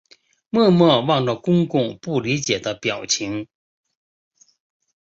默默望着公公不理解的表情